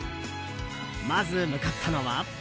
まず向かったのは。